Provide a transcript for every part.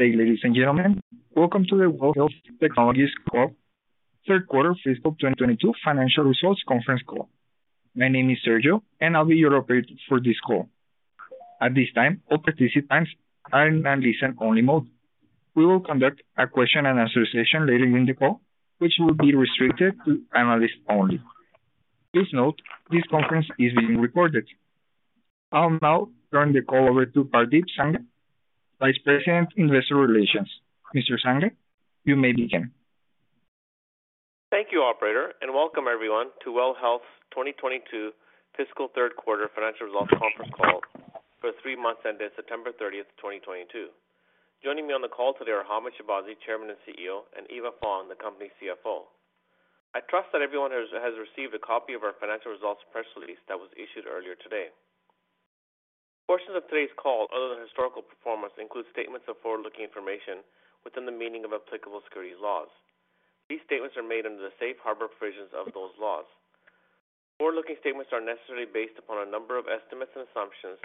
Good day, ladies and gentlemen. Welcome to the WELL Health Technologies Corp. Third Quarter Fiscal 2022 Financial Results Conference Call. My name is Sergio and I'll be your operator for this call. At this time, all participants are in a listen-only mode. We will conduct a question and answer session later in the call, which will be restricted to analysts only. Please note, this conference is being recorded. I'll now turn the call over to Pardeep Sangha, Vice President, Investor Relations. Mr. Sangha, you may begin. Thank you, operator, and welcome everyone to WELL Health 2022 Fiscal Third Quarter Financial Results Conference Call for three months ended September 30, 2022. Joining me on the call today are Hamed Shahbazi, Chairman and CEO, and Eva Fong, the company's CFO. I trust that everyone has received a copy of our financial results press release that was issued earlier today. Portions of today's call, other than historical performance, include statements of forward-looking information within the meaning of applicable securities laws. These statements are made under the safe harbor provisions of those laws. Forward-looking statements are necessarily based upon a number of estimates and assumptions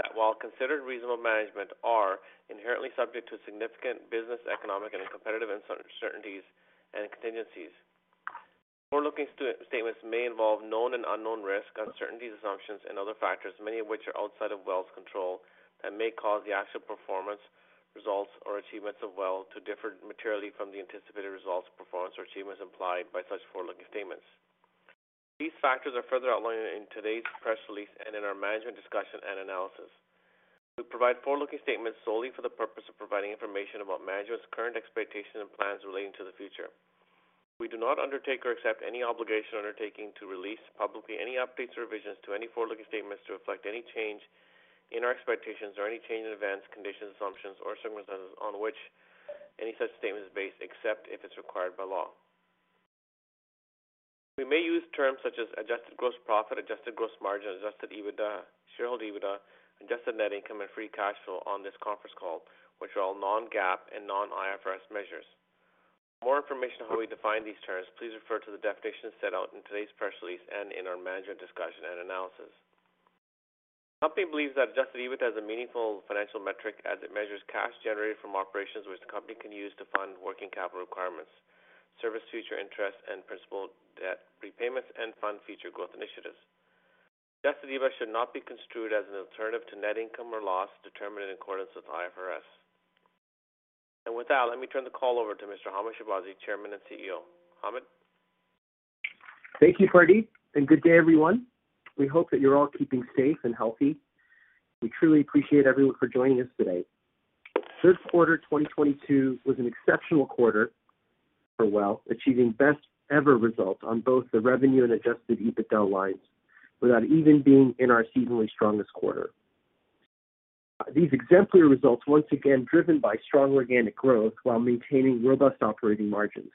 that, while considered reasonable by management, are inherently subject to significant business, economic and competitive uncertainties and contingencies. Forward-looking statements may involve known and unknown risks, uncertainties, assumptions and other factors, many of which are outside of WELL's control and may cause the actual performance, results or achievements of WELL to differ materially from the anticipated results, performance or achievements implied by such forward-looking statements. These factors are further outlined in today's press release and in our management discussion and analysis. We provide forward-looking statements solely for the purpose of providing information about management's current expectations and plans relating to the future. We do not undertake or accept any obligation or undertaking to release publicly any updates or revisions to any forward-looking statements to reflect any change in our expectations or any change in events, conditions, assumptions or circumstances on which any such statement is based, except if it's required by law. We may use terms such as adjusted gross profit, adjusted gross margin, Adjusted EBITDA, shareholder EBITDA, adjusted net income and free cash flow on this conference call, which are all non-GAAP and non-IFRS measures. More information on how we define these terms, please refer to the definitions set out in today's press release and in our management discussion and analysis. The company believes that Adjusted EBITDA is a meaningful financial metric as it measures cash generated from operations which the company can use to fund working capital requirements, service future interest and principal debt repayments, and fund future growth initiatives. Adjusted EBITDA should not be construed as an alternative to net income or loss determined in accordance with IFRS. With that, let me turn the call over to Mr. Hamed Shahbazi, Chairman and CEO. Hamed. Thank you, Pardeep, and good day, everyone. We hope that you're all keeping safe and healthy. We truly appreciate everyone for joining us today. Third quarter 2022 was an exceptional quarter for Well, achieving best ever results on both the revenue and Adjusted EBITDA lines without even being in our seasonally strongest quarter. These exemplary results once again driven by strong organic growth while maintaining robust operating margins.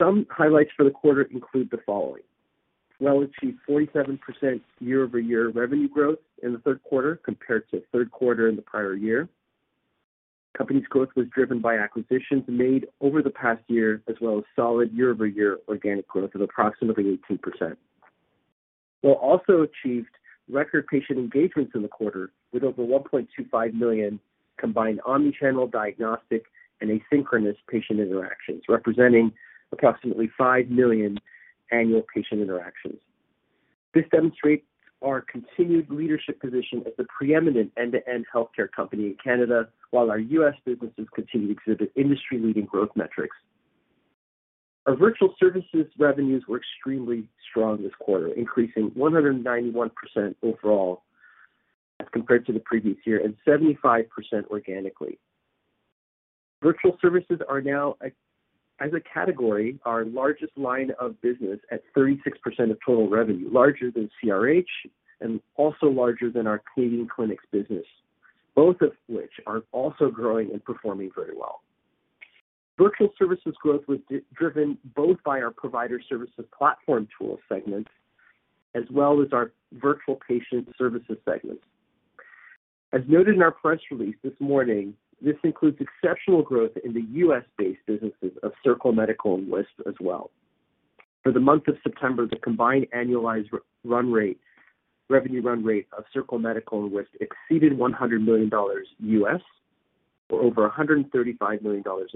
Some highlights for the quarter include the following. Well achieved 47% year-over-year revenue growth in the third quarter compared to third quarter in the prior year. Company's growth was driven by acquisitions made over the past year as well as solid year-over-year organic growth of approximately 18%. Well also achieved record patient engagements in the quarter with over 1.25 million combined omni-channel diagnostic and asynchronous patient interactions, representing approximately 5 million annual patient interactions. This demonstrates our continued leadership position as the preeminent end-to-end healthcare company in Canada, while our U.S. businesses continue to exhibit industry-leading growth metrics. Our virtual services revenues were extremely strong this quarter, increasing 191% overall as compared to the previous year and 75% organically. Virtual services are now a, as a category, our largest line of business at 36% of total revenue, larger than CRH and also larger than our Canadian clinics business, both of which are also growing and performing very well. Virtual services growth was driven both by our provider services platform tool segment as well as our virtual patient services segment. As noted in our press release this morning, this includes exceptional growth in the U.S.-based businesses of Circle Medical and Wisp as well. For the month of September, the combined annualized revenue run rate of Circle Medical and Wisp exceeded $100 million or over 135 million dollars.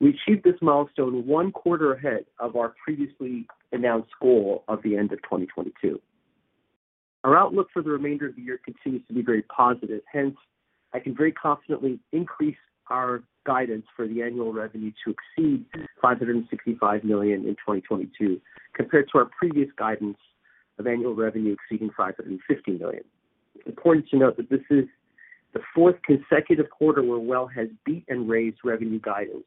We achieved this milestone one quarter ahead of our previously announced goal of the end of 2022. Our outlook for the remainder of the year continues to be very positive. Hence, I can very confidently increase our guidance for the annual revenue to exceed 565 million in 2022 compared to our previous guidance of annual revenue exceeding 550 million. Important to note that this is the fourth consecutive quarter where WELL has beat and raised revenue guidance.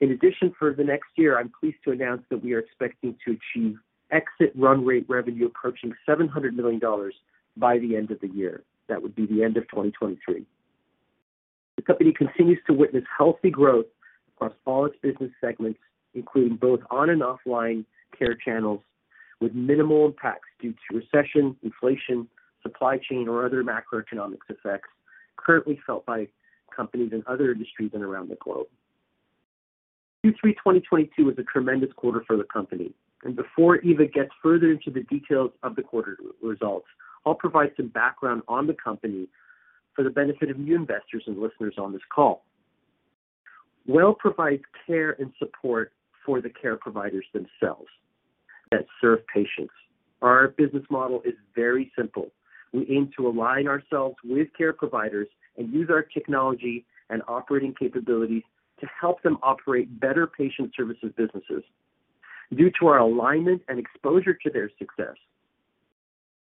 In addition, for the next year, I'm pleased to announce that we are expecting to achieve exit run rate revenue approaching 700 million dollars by the end of the year. That would be the end of 2023. The company continues to witness healthy growth across all its business segments, including both on and offline care channels, with minimal impacts due to recession, inflation, supply chain or other macroeconomic effects currently felt by companies in other industries and around the globe. Q3 2022 was a tremendous quarter for the company. Before Eva gets further into the details of the quarter results, I'll provide some background on the company for the benefit of new investors and listeners on this call. WELL provides care and support for the care providers themselves that serve patients. Our business model is very simple. We aim to align ourselves with care providers and use our technology and operating capabilities to help them operate better patient services businesses. Due to our alignment and exposure to their success,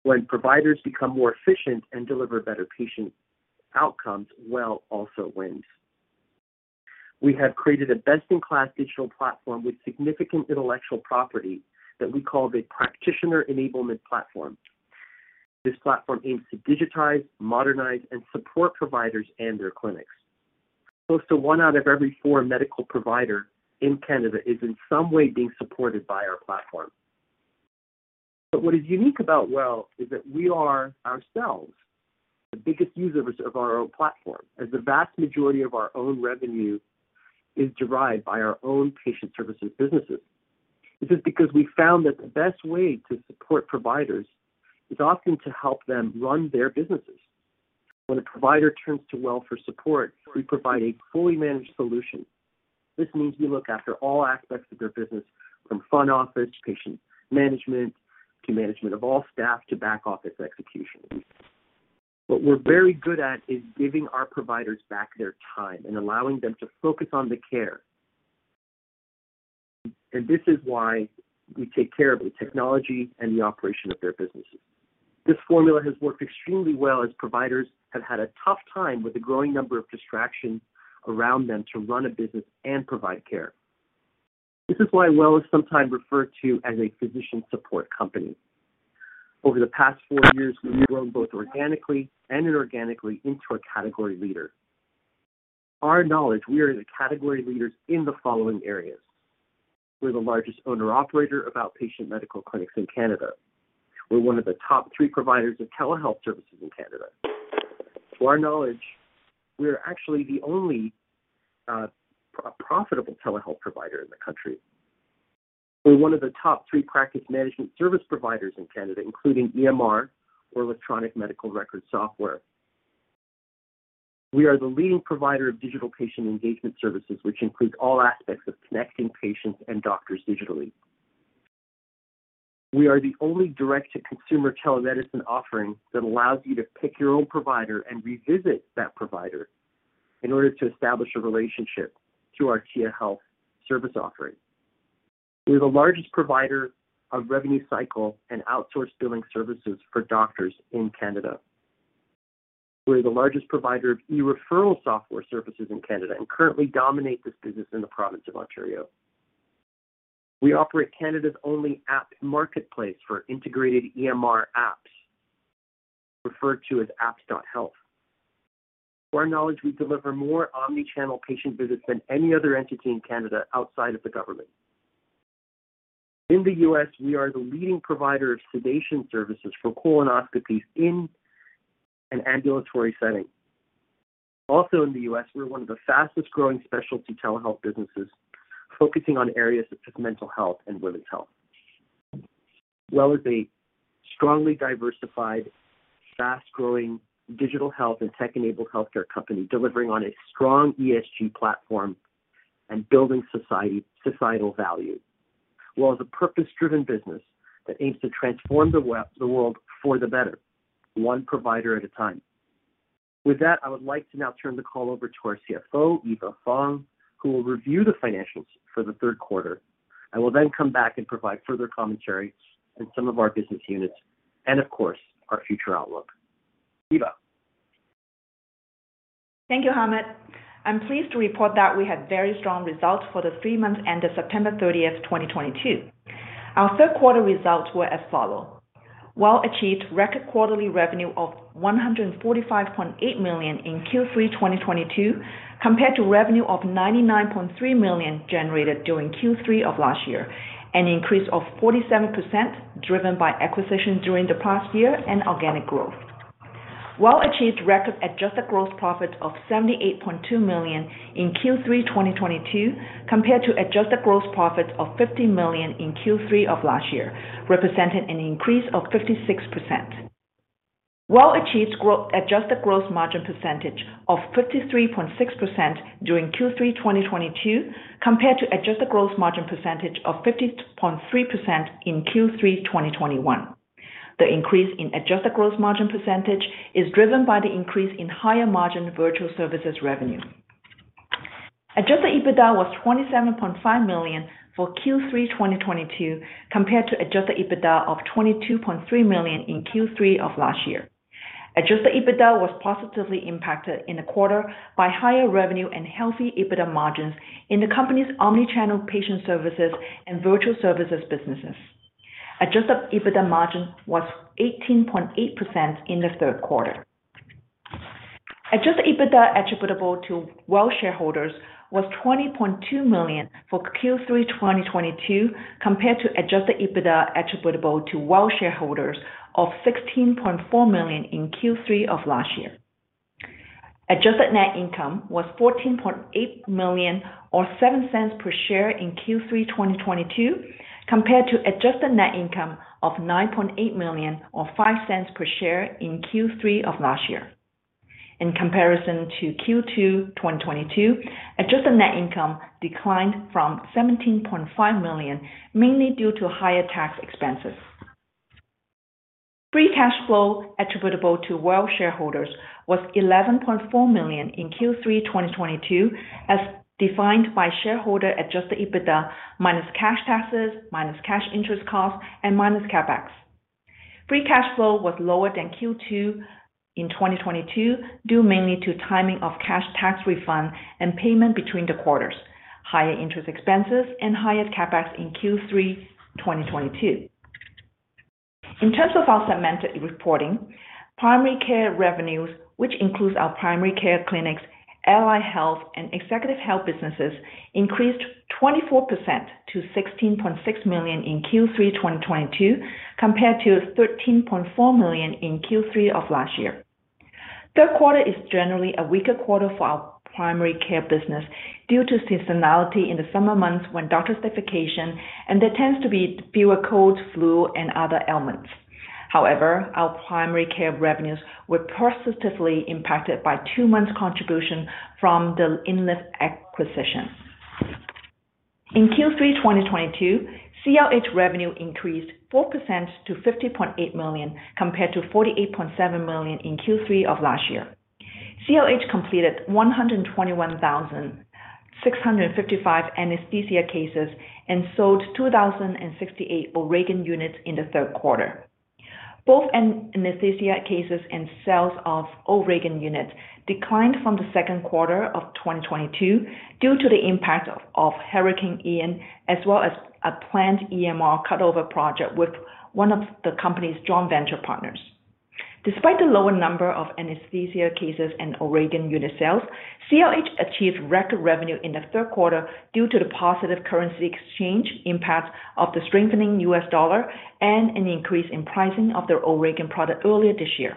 when providers become more efficient and deliver better patient outcomes, WELL also wins. We have created a best-in-class digital platform with significant intellectual property that we call the Practitioner Enablement Platform. This platform aims to digitize, modernize, and support providers and their clinics. Close to one out of every four medical provider in Canada is in some way being supported by our platform. What is unique about WELL is that we are ourselves the biggest users of our own platform, as the vast majority of our own revenue is derived by our own patient services businesses. This is because we found that the best way to support providers is often to help them run their businesses. When a provider turns to WELL for support, we provide a fully managed solution. This means we look after all aspects of their business, from front office, patient management, to management of all staff, to back office execution. What we're very good at is giving our providers back their time and allowing them to focus on the care. This is why we take care of the technology and the operation of their businesses. This formula has worked extremely well as providers have had a tough time with the growing number of distractions around them to run a business and provide care. This is why WELL is sometimes referred to as a physician support company. Over the past four years, we have grown both organically and inorganically into a category leader. To our knowledge, we are the category leaders in the following areas. We're the largest owner/operator of outpatient medical clinics in Canada. We're one of the top three providers of telehealth services in Canada. To our knowledge, we are actually the only profitable telehealth provider in the country. We're one of the top three practice management service providers in Canada, including EMR or electronic medical record software. We are the leading provider of digital patient engagement services, which includes all aspects of connecting patients and doctors digitally. We are the only direct-to-consumer telemedicine offering that allows you to pick your own provider and revisit that provider in order to establish a relationship through our Tia Health service offering. We're the largest provider of revenue cycle and outsourced billing services for doctors in Canada. We're the largest provider of e-referral software services in Canada and currently dominate this business in the province of Ontario. We operate Canada's only app marketplace for integrated EMR apps, referred to as apps.health. To our knowledge, we deliver more omni-channel patient visits than any other entity in Canada outside of the government. In the US, we are the leading provider of sedation services for colonoscopies in an ambulatory setting. Also in the US, we're one of the fastest-growing specialty telehealth businesses, focusing on areas such as mental health and women's health. WELL is a strongly diversified, fast-growing digital health and tech-enabled healthcare company delivering on a strong ESG platform and building societal value. WELL is a purpose-driven business that aims to transform the world for the better, one provider at a time. With that, I would like to now turn the call over to our CFO, Eva Fong, who will review the financials for the third quarter. I will then come back and provide further commentary on some of our business units and of course, our future outlook. Eva. Thank you, Hamed. I'm pleased to report that we had very strong results for the three months ended September 30, 2022. Our third quarter results were as follows. WELL achieved record quarterly revenue of 145.8 million in Q3 2022, compared to revenue of 99.3 million generated during Q3 of last year, an increase of 47% driven by acquisitions during the past year and organic growth. WELL achieved record adjusted gross profit of 78.2 million in Q3 2022, compared to adjusted gross profit of 50 million in Q3 of last year, representing an increase of 56%. WELL achieved adjusted gross margin percentage of 53.6% during Q3 2022, compared to adjusted gross margin percentage of 50.3% in Q3 2021. The increase in adjusted gross margin percentage is driven by the increase in higher margin virtual services revenue. Adjusted EBITDA was 27.5 million for Q3 2022, compared to Adjusted EBITDA of 22.3 million in Q3 of last year. Adjusted EBITDA was positively impacted in the quarter by higher revenue and healthy EBITDA margins in the company's omni-channel patient services and virtual services businesses. Adjusted EBITDA margin was 18.8% in the third quarter. Adjusted EBITDA attributable to WELL shareholders was 20.2 million for Q3 2022, compared to adjusted EBITDA attributable to WELL shareholders of 16.4 million in Q3 of last year. Adjusted net income was 14.8 million or 0.07 per share in Q3 2022, compared to adjusted net income of 9.8 million or 0.05 per share in Q3 of last year. In comparison to Q2 2022, adjusted net income declined from 17.5 million, mainly due to higher tax expenses. Free cash flow attributable to WELL shareholders was 11.4 million in Q3 2022, as defined by shareholder Adjusted EBITDA minus cash taxes, minus cash interest costs, and minus CapEx. Free cash flow was lower than Q2 2022, due mainly to timing of cash tax refund and payment between the quarters, higher interest expenses and higher CapEx in Q3 2022. In terms of our segmented reporting, primary care revenues, which includes our primary care clinics, allied health and executive health businesses, increased 24% to 16.6 million in Q3 2022, compared to 13.4 million in Q3 of last year. Third quarter is generally a weaker quarter for our primary care business due to seasonality in the summer months when doctors take vacation and there tends to be fewer cold, flu and other ailments. However, our primary care revenues were positively impacted by two months contribution from the INLIV acquisition. In Q3 2022, CRH revenue increased 4% to 50.8 million, compared to 48.7 million in Q3 of last year. CRH completed 121,655 anesthesia cases and sold 2,068 O'Regan units in the third quarter. Both anesthesia cases and sales of O'Regan units declined from the second quarter of 2022 due to the impact of Hurricane Ian, as well as a planned EMR cut-over project with one of the company's joint venture partners. Despite the lower number of anesthesia cases and O'Regan unit sales, CRH achieved record revenue in the third quarter due to the positive currency exchange impact of the strengthening US dollar and an increase in pricing of their O'Regan product earlier this year.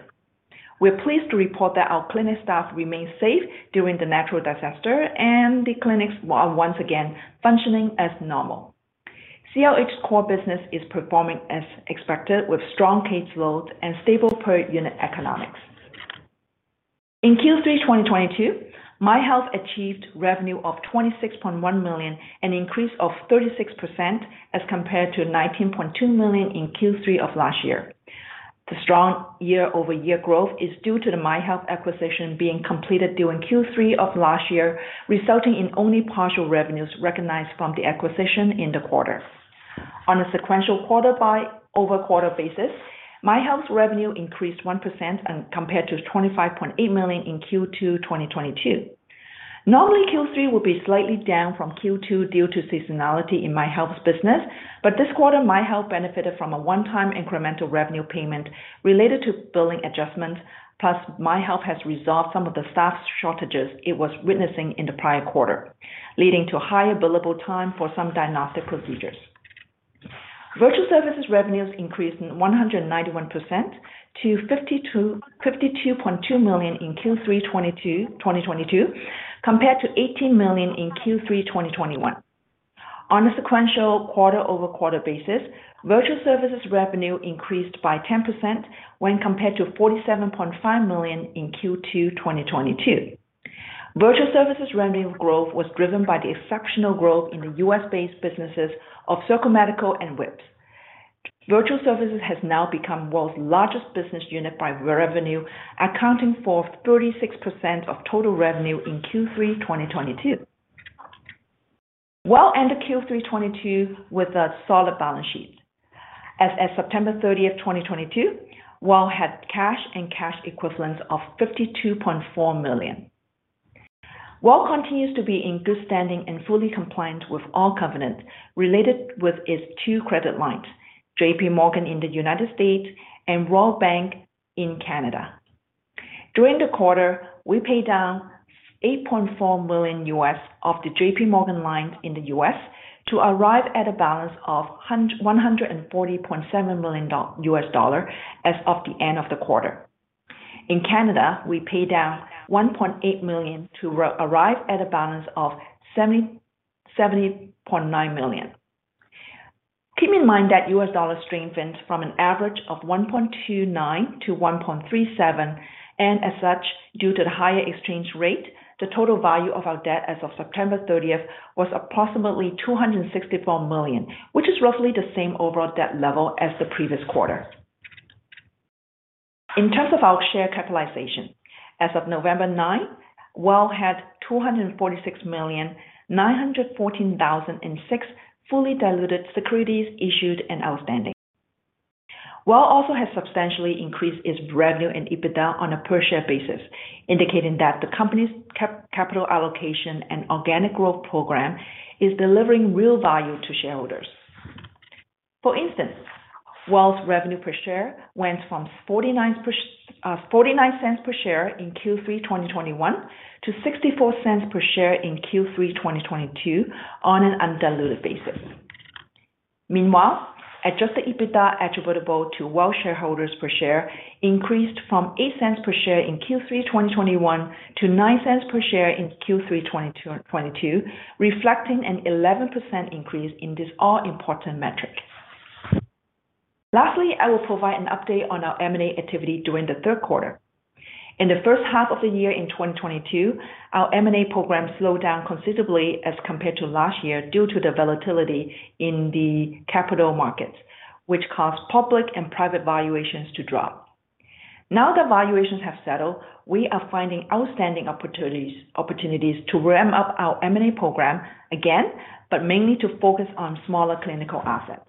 We're pleased to report that our clinic staff remained safe during the natural disaster and the clinics are once again functioning as normal. CRH's core business is performing as expected with strong caseloads and stable per unit economics. In Q3 2022, MyHealth achieved revenue of 26.1 million, an increase of 36% as compared to 19.2 million in Q3 of last year. The strong year-over-year growth is due to the MyHealth acquisition being completed during Q3 of last year, resulting in only partial revenues recognized from the acquisition in the quarter. On a sequential quarter-over-quarter basis, MyHealth's revenue increased 1% compared to 25.8 million in Q2 2022. Normally, Q3 would be slightly down from Q2 due to seasonality in MyHealth's business. This quarter, MyHealth benefited from a one-time incremental revenue payment related to billing adjustments, plus MyHealth has resolved some of the staff shortages it was witnessing in the prior quarter, leading to higher billable time for some diagnostic procedures. Virtual Services revenues increased 191% to 52.2 million in Q3 2022, compared to 18 million in Q3 2021. On a sequential quarter-over-quarter basis, Virtual Services revenue increased by 10% when compared to 47.5 million in Q2 2022. Virtual Services revenue growth was driven by the exceptional growth in the U.S.-based businesses of Circle Medical and Wisp. Virtual Services has now become WELL's largest business unit by revenue, accounting for 36% of total revenue in Q3 2022. WELL ended Q3 2022 with a solid balance sheet. As of September 30th, 2022, WELL had cash and cash equivalents of 52.4 million. WELL continues to be in good standing and fully compliant with all covenants related with its two credit lines, JPMorgan in the United States and Royal Bank in Canada. During the quarter, we paid down $8.4 million US of the JPMorgan line in the US to arrive at a balance of $140.7 million US dollar as of the end of the quarter. In Canada, we paid down 1.8 million to arrive at a balance of 70.9 million. Keep in mind that US dollar strengthened from an average of 1.29 to 1.37, and as such, due to the higher exchange rate, the total value of our debt as of September thirtieth was approximately 264 million, which is roughly the same overall debt level as the previous quarter. In terms of our share capitalization, as of November ninth, WELL had 246,914,006 fully diluted securities issued and outstanding. WELL also has substantially increased its revenue and EBITDA on a per share basis, indicating that the company's capital allocation and organic growth program is delivering real value to shareholders. For instance, WELL's revenue per share went from 0.49 per share in Q3 2021 to 0.64 per share in Q3 2022 on an undiluted basis. Meanwhile, Adjusted EBITDA attributable to WELL shareholders per share increased from 0.08 per share in Q3 2021 to 0.09 per share in Q3 2022, reflecting an 11% increase in this all-important metric. Lastly, I will provide an update on our M&A activity during the third quarter. In the first half of the year in 2022, our M&A program slowed down considerably as compared to last year due to the volatility in the capital markets, which caused public and private valuations to drop. Now that valuations have settled, we are finding outstanding opportunities to ramp up our M&A program again, but mainly to focus on smaller clinical assets.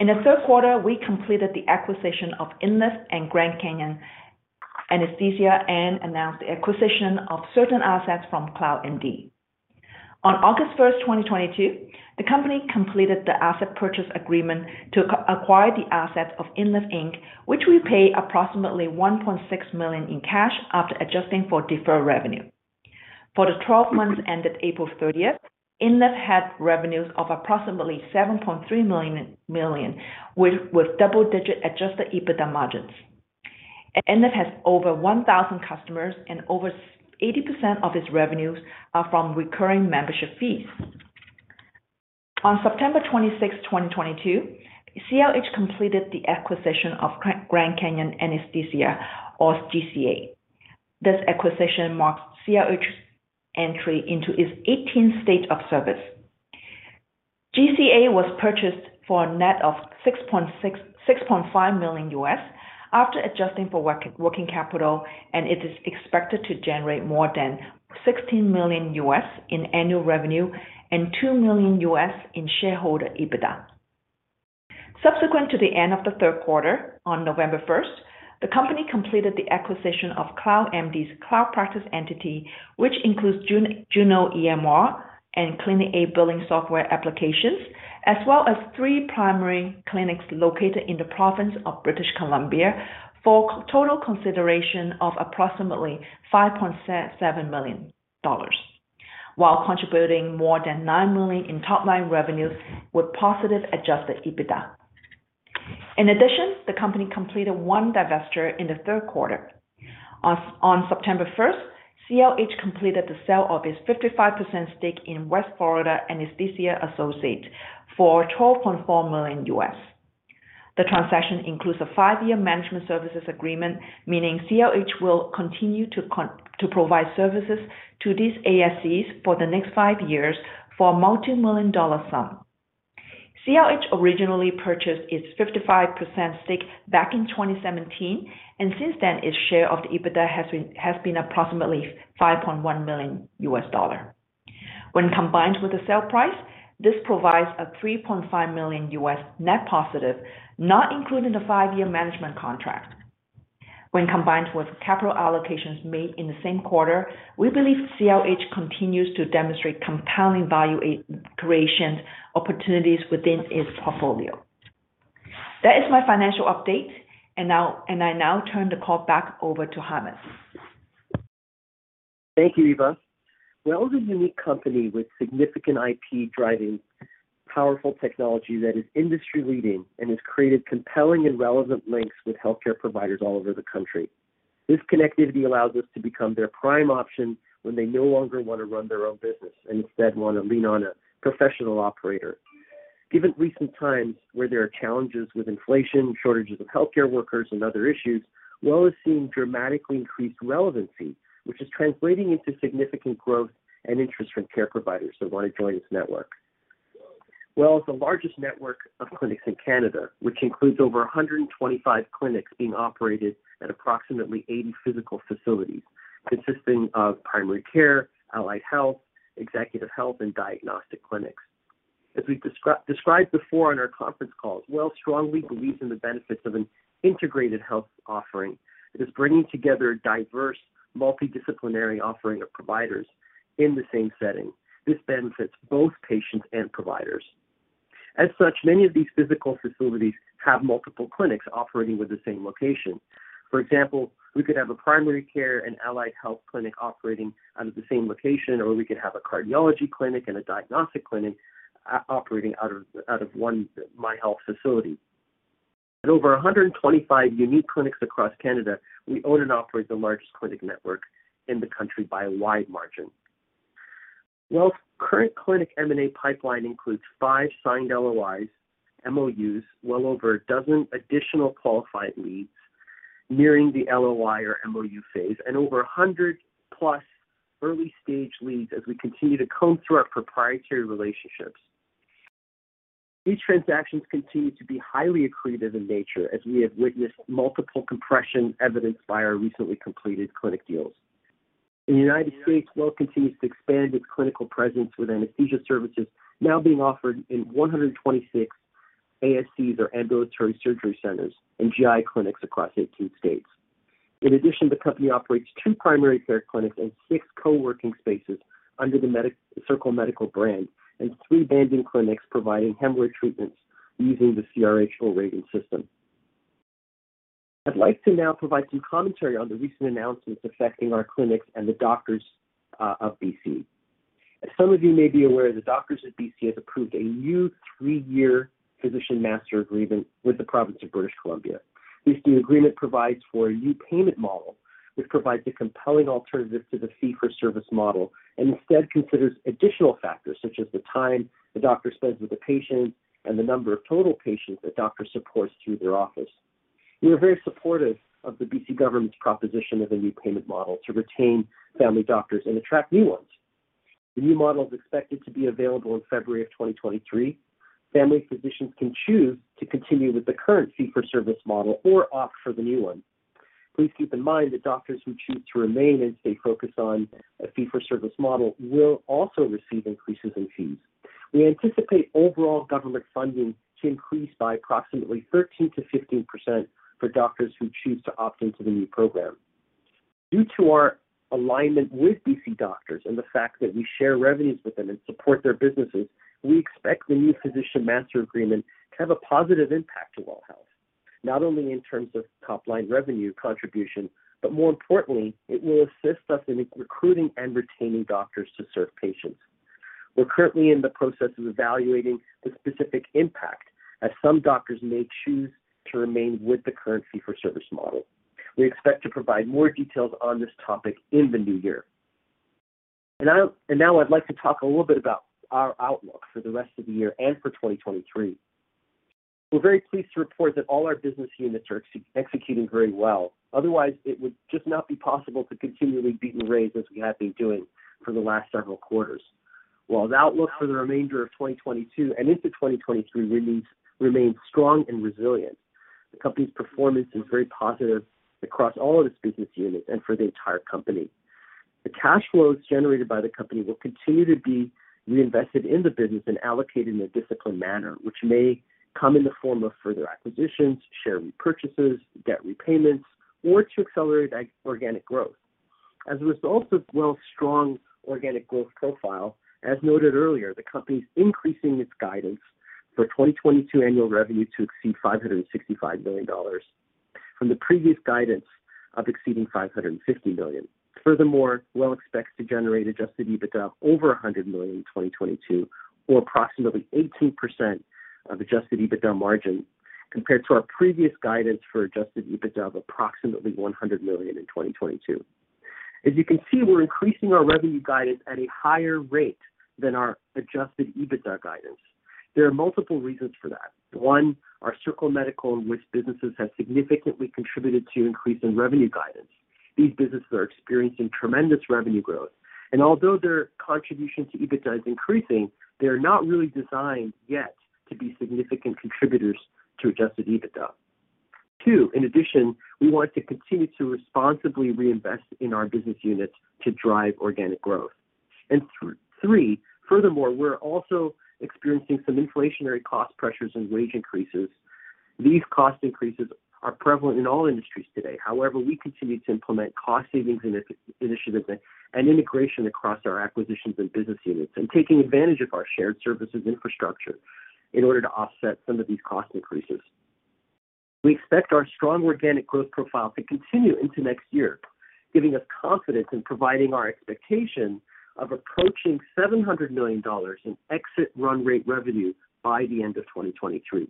In the third quarter, we completed the acquisition of INLIV and Grand Canyon Anesthesia, and announced the acquisition of certain assets from CloudMD. On August 1, 2022, the company completed the asset purchase agreement to acquire the assets of INLIV Inc., for which we paid approximately 1.6 million in cash after adjusting for deferred revenue. For the twelve months ended April 30, INLIV had revenues of approximately 7.3 million with double-digit Adjusted EBITDA margins. INLIV has over 1,000 customers and over 80% of its revenues are from recurring membership fees. On September 26, 2022, CRH completed the acquisition of Grand Canyon Anesthesia or GCA. This acquisition marks CRH's entry into its 18th state of service. GCA was purchased for a net of $6.5 million after adjusting for working capital, and it is expected to generate more than $16 million in annual revenue and $2 million in shareholder EBITDA. Subsequent to the end of the third quarter, on November first, the company completed the acquisition of CloudMD's Cloud Practice entity, which includes Juno EMR and ClinicAid billing software applications, as well as three primary clinics located in the province of British Columbia for total consideration of approximately 5.7 million dollars, while contributing more than 9 million in top-line revenues with positive adjusted EBITDA. In addition, the company completed one divestiture in the third quarter. On September first, CRH completed the sale of its 55% stake in West Florida Anesthesia Associates for $12.4 million. The transaction includes a five year management services agreement, meaning CRH will continue to provide services to these ASCs for the next 5 years for a multimillion-dollar sum. CRH originally purchased its 55% stake back in 2017, and since then, its share of the EBITDA has been approximately $5.1 million. When combined with the sale price, this provides a $3.5 million net positive, not including the five year management contract. When combined with capital allocations made in the same quarter, we believe CRH continues to demonstrate compelling value creation opportunities within its portfolio. That is my financial update, and I now turn the call back over to Hamed. Thank you, Eva. WELL is a unique company with significant IP driving powerful technology that is industry-leading and has created compelling and relevant links with healthcare providers all over the country. This connectivity allows us to become their prime option when they no longer want to run their own business and instead want to lean on a professional operator. Given recent times where there are challenges with inflation, shortages of healthcare workers and other issues, WELL is seeing dramatically increased relevancy, which is translating into significant growth and interest from care providers who want to join its network. WELL is the largest network of clinics in Canada, which includes over 125 clinics being operated at approximately 80 physical facilities consisting of primary care, allied health, executive health, and diagnostic clinics. As we've described before on our conference calls, WELL strongly believes in the benefits of an integrated health offering that is bringing together a diverse multidisciplinary offering of providers in the same setting. This benefits both patients and providers. As such, many of these physical facilities have multiple clinics operating in the same location. For example, we could have a primary care and allied health clinic operating out of the same location, or we could have a cardiology clinic and a diagnostic clinic operating out of one MyHealth facility. At over 125 unique clinics across Canada, we own and operate the largest clinic network in the country by a wide margin. WELL's current clinic M&A pipeline includes five signed LOIs, MOUs, well over 12 additional qualified leads nearing the LOI or MOU phase, and over 100+ early-stage leads as we continue to comb through our proprietary relationships. These transactions continue to be highly accretive in nature as we have witnessed multiple compression evidenced by our recently completed clinic deals. In the United States, WELL continues to expand its clinical presence with anesthesia services now being offered in 126 ASCs or ambulatory surgery centers and GI clinics across 18 states. In addition, the company operates two primary care clinics and six co-working spaces under the Circle Medical brand and three banding clinics providing hemorrhoid treatments using the CRH O'Regan system. I'd like to now provide some commentary on the recent announcements affecting our clinics and the doctors of BC. As some of you may be aware, the Doctors of BC have approved a new three-year Physician Master Agreement with the province of British Columbia. This new agreement provides for a new payment model, which provides a compelling alternative to the fee-for-service model and instead considers additional factors such as the time the doctor spends with the patient and the number of total patients a doctor supports through their office. We are very supportive of the BC government's proposition of a new payment model to retain family doctors and attract new ones. The new model is expected to be available in February of 2023. Family physicians can choose to continue with the current fee-for-service model or opt for the new one. Please keep in mind that doctors who choose to remain and stay focused on a fee-for-service model will also receive increases in fees. We anticipate overall government funding to increase by approximately 13%-15% for doctors who choose to opt into the new program. Due to our alignment with BC doctors and the fact that we share revenues with them and support their businesses, we expect the new Physician Master Agreement to have a positive impact to WELL Health, not only in terms of top-line revenue contribution, but more importantly, it will assist us in recruiting and retaining doctors to serve patients. We're currently in the process of evaluating the specific impact as some doctors may choose to remain with the current fee-for-service model. We expect to provide more details on this topic in the new year. Now I'd like to talk a little bit about our outlook for the rest of the year and for 2023. We're very pleased to report that all our business units are executing very well. Otherwise, it would just not be possible to continually beat and raise as we have been doing for the last several quarters. While the outlook for the remainder of 2022 and into 2023 remains strong and resilient, the company's performance is very positive across all of its business units and for the entire company. The cash flows generated by the company will continue to be reinvested in the business and allocated in a disciplined manner, which may come in the form of further acquisitions, share repurchases, debt repayments or to accelerate organic growth. As a result of WELL's strong organic growth profile, as noted earlier, the company is increasing its guidance for 2022 annual revenue to exceed 565 million dollars from the previous guidance of exceeding 550 million. Furthermore, WELL expects to generate Adjusted EBITDA of over 100 million in 2022 or approximately 18% Adjusted EBITDA margin compared to our previous guidance for Adjusted EBITDA of approximately 100 million in 2022. As you can see, we're increasing our revenue guidance at a higher rate than our Adjusted EBITDA guidance. There are multiple reasons for that. One, our Circle Medical and Wisp businesses have significantly contributed to the increase in revenue guidance. These businesses are experiencing tremendous revenue growth, and although their contribution to EBITDA is increasing, they are not really designed yet to be significant contributors to Adjusted EBITDA. Two, in addition, we want to continue to responsibly reinvest in our business units to drive organic growth. Three, furthermore, we're also experiencing some inflationary cost pressures and wage increases. These cost increases are prevalent in all industries today. However, we continue to implement cost savings initiatives and integration across our acquisitions and business units and taking advantage of our shared services infrastructure in order to offset some of these cost increases. We expect our strong organic growth profile to continue into next year, giving us confidence in providing our expectation of approaching 700 million dollars in exit run rate revenue by the end of 2023.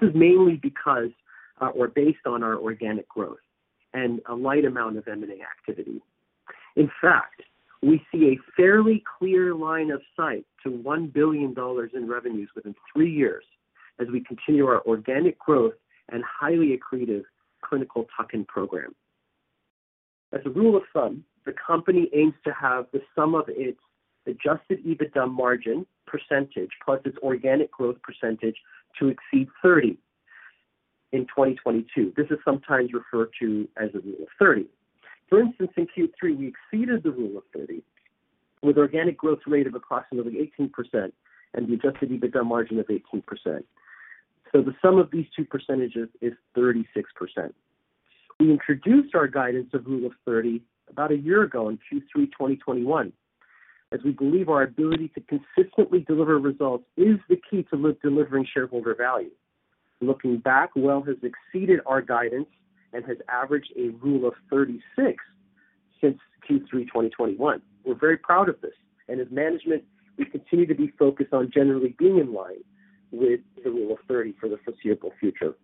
This is mainly because or based on our organic growth and a light amount of M&A activity. In fact, we see a fairly clear line of sight to 1 billion dollars in revenues within three years as we continue our organic growth and highly accretive clinical tuck-in program. As a rule of thumb, the company aims to have the sum of its Adjusted EBITDA margin percentage plus its organic growth percentage to exceed 30 in 2022. This is sometimes referred to as a rule of thirty. For instance, in Q3, we exceeded the rule of thirty with organic growth rate of approximately 18% and the Adjusted EBITDA margin of 18%. The sum of these two percentages is 36%. We introduced our guidance of rule of thirty about one year ago in Q3 2021, as we believe our ability to consistently deliver results is the key to delivering shareholder value. Looking back, WELL has exceeded our guidance and has averaged a Rule of 36 since Q3 2021. We're very proud of this, and as management, we continue to be focused on generally being in line with the Rule of 30 for the foreseeable future.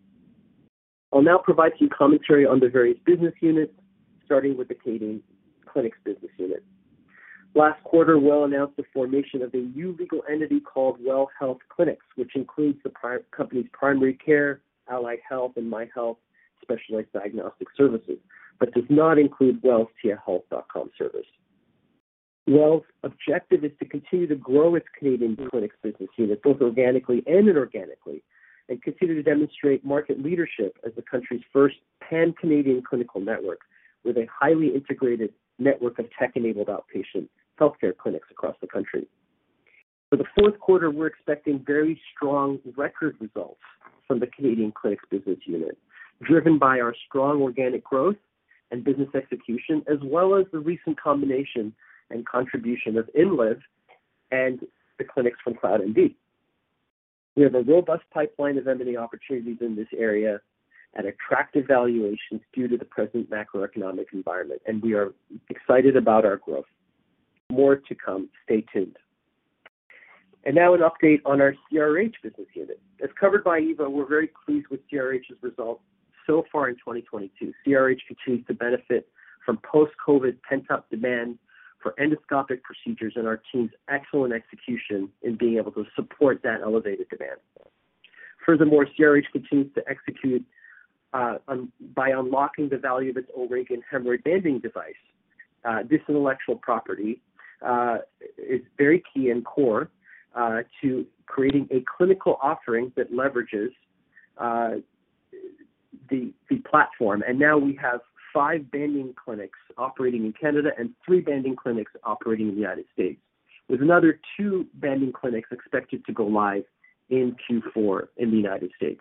I'll now provide some commentary on the various business units, starting with the Canadian Clinics business unit. Last quarter, WELL announced the formation of a new legal entity called WELL Health Clinics, which includes the prior company's primary care, allied health and MyHealth specialized diagnostic services, but does not include WELL's tiahealth.com service. WELL's objective is to continue to grow its Canadian Clinics business unit, both organically and inorganically, and continue to demonstrate market leadership as the country's first pan-Canadian clinical network with a highly integrated network of tech-enabled outpatient healthcare clinics across the country. For the fourth quarter, we're expecting very strong record results from the Canadian Clinics business unit, driven by our strong organic growth and business execution, as well as the recent combination and contribution of INLIV and the clinics from CloudMD. We have a robust pipeline of M&A opportunities in this area at attractive valuations due to the present macroeconomic environment, and we are excited about our growth. More to come. Stay tuned. Now an update on our CRH business unit. As covered by Eva, we're very pleased with CRH's results so far in 2022. CRH continues to benefit from post-COVID pent-up demand for endoscopic procedures and our team's excellent execution in being able to support that elevated demand. Furthermore, CRH continues to execute by unlocking the value of its O'Regan and Hemorrhoid Banding device. This intellectual property is very key and core to creating a clinical offering that leverages the platform. We have five banding clinics operating in Canada and three banding clinics operating in the United States, with another two banding clinics expected to go live in Q4 in the United States.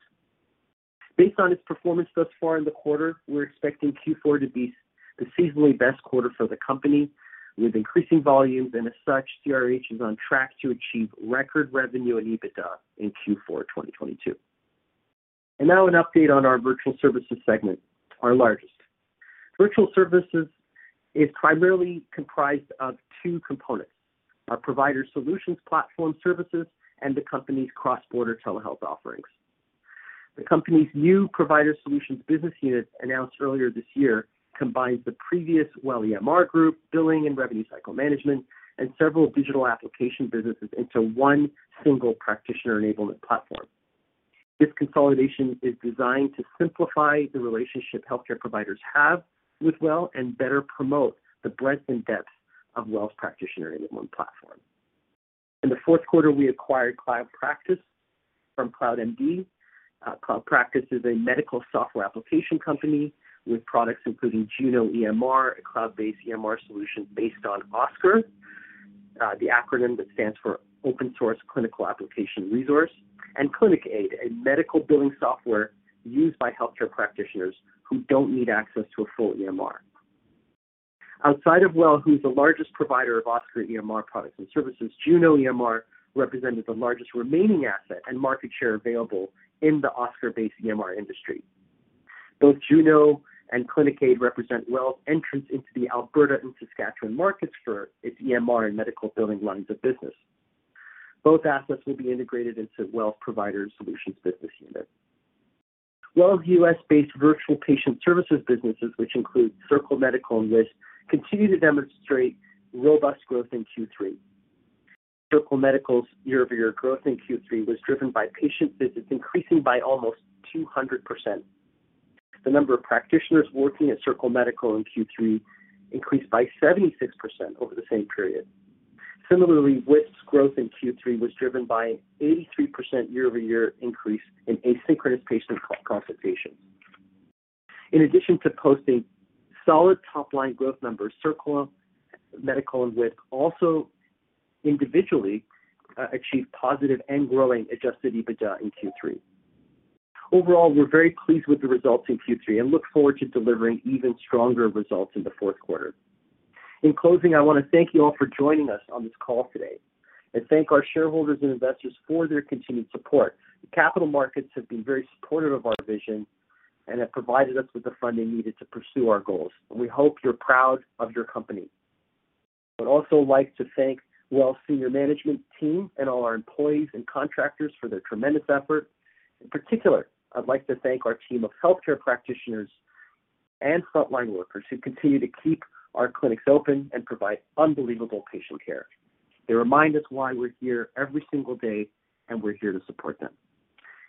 Based on its performance thus far in the quarter, we're expecting Q4 to be the seasonally best quarter for the company, with increasing volumes, and as such, CRH is on track to achieve record revenue and EBITDA in Q4 of 2022. An update on our virtual services segment, our largest. Virtual services is primarily comprised of two components, our provider solutions platform services and the company's cross-border telehealth offerings. The company's new provider solutions business unit, announced earlier this year, combines the previous WELL EMR Group, billing and revenue cycle management, and several digital application businesses into one single practitioner enablement platform. This consolidation is designed to simplify the relationship healthcare providers have with WELL and better promote the breadth and depth of WELL's practitioner enablement platform. In the fourth quarter, we acquired Cloud Practice from CloudMD. Cloud Practice is a medical software application company with products including Juno EMR, a cloud-based EMR solution based on OSCAR, the acronym that stands for Open Source Clinical Application Resource, and ClinicAid, a medical billing software used by healthcare practitioners who don't need access to a full EMR. Outside of WELL, who is the largest provider of OSCAR EMR products and services, Juno EMR represented the largest remaining asset and market share available in the OSCAR-based EMR industry. Both Juno and ClinicAid represent WELL's entrance into the Alberta and Saskatchewan markets for its EMR and medical billing lines of business. Both assets will be integrated into WELL's provider solutions business unit. WELL's US-based virtual patient services businesses, which include Circle Medical and Wisp, continue to demonstrate robust growth in Q3. Circle Medical's year-over-year growth in Q3 was driven by patient visits increasing by almost 200%. The number of practitioners working at Circle Medical in Q3 increased by 76% over the same period. Similarly, Wisp's growth in Q3 was driven by 83% year-over-year increase in asynchronous patient co-consultations. In addition to posting solid top-line growth numbers, Circle Medical and Wisp also individually achieved positive and growing Adjusted EBITDA in Q3. Overall, we're very pleased with the results in Q3 and look forward to delivering even stronger results in the fourth quarter. In closing, I wanna thank you all for joining us on this call today and thank our shareholders and investors for their continued support. The capital markets have been very supportive of our vision and have provided us with the funding needed to pursue our goals. We hope you're proud of your company. I'd also like to thank WELL's senior management team and all our employees and contractors for their tremendous effort. In particular, I'd like to thank our team of healthcare practitioners and frontline workers who continue to keep our clinics open and provide unbelievable patient care. They remind us why we're here every single day, and we're here to support them.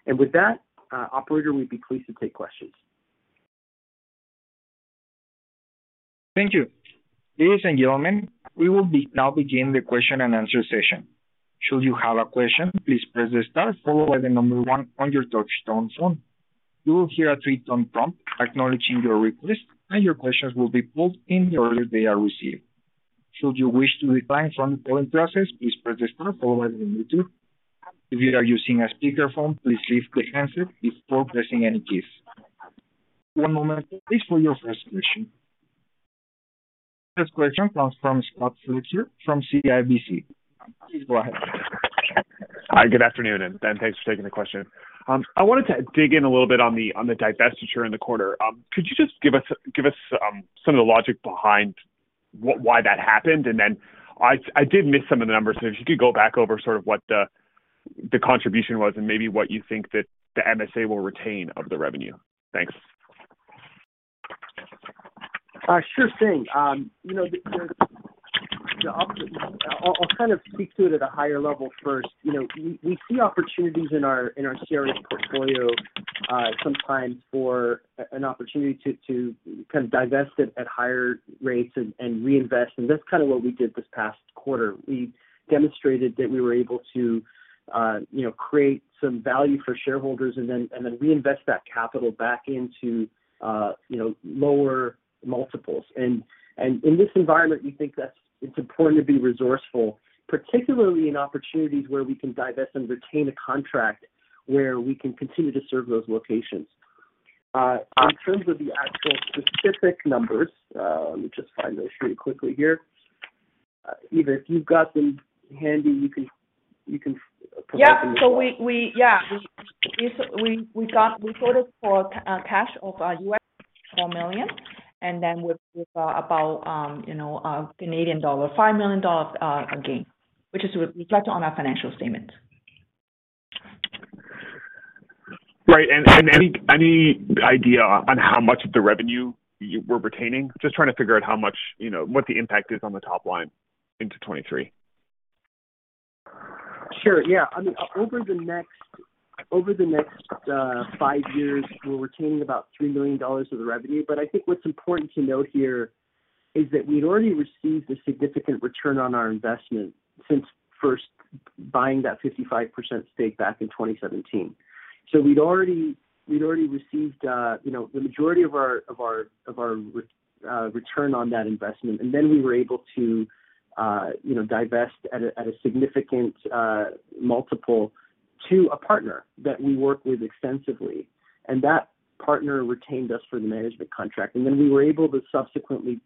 With that, operator, we'd be pleased to take questions. Thank you. Ladies and gentlemen, we now begin the question and answer session. Should you have a question, please press star followed by the number one on your touchtone phone. You will hear a three-tone prompt acknowledging your request, and your questions will be posed in the order they are received. Should you wish to withdraw from the polling process, please press star followed by the number two. If you are using a speaker phone, please lift the handset before pressing any keys. One moment, please, for your first question. First question comes from Scott Fletcher from CIBC. Please go ahead. Hi. Good afternoon, and Ben, thanks for taking the question. I wanted to dig in a little bit on the divestiture in the quarter. Could you just give us some of the logic behind why that happened? Then I did miss some of the numbers, so if you could go back over sort of what the contribution was and maybe what you think that the MSA will retain of the revenue. Thanks. Sure thing. I'll kind of speak to it at a higher level first. You know, we see opportunities in our CRH portfolio, sometimes for an opportunity to kind of divest it at higher rates and reinvest, and that's kinda what we did this past quarter. We demonstrated that we were able to create some value for shareholders and then reinvest that capital back into lower multiples. In this environment, we think that's important to be resourceful, particularly in opportunities where we can divest and retain a contract where we can continue to serve those locations. In terms of the actual specific numbers, let me just find those for you quickly here. Eva, if you've got them handy, you can provide them as well. We quoted for cash of $4 million, and then with about, you know, Canadian dollar 5 million again, which is reflected on our financial statement. Right. Any idea on how much of the revenue you were retaining? Just trying to figure out how much, you know, what the impact is on the top line into 2023. Sure, yeah. I mean, over the next five years, we're retaining about 3 million dollars of the revenue. I think what's important to note here is that we'd already received a significant return on our investment since first buying that 55% stake back in 2017. We'd already received, you know, the majority of our return on that investment. Then we were able to, you know, divest at a significant multiple to a partner that we work with extensively. That partner retained us for the management contract. Then we were able to subsequently